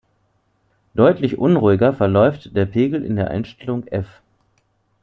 Deutlich unruhiger verläuft der Pegel in der Einstellung "F".